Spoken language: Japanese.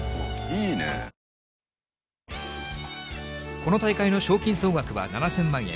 この大会の賞金総額は７０００万円。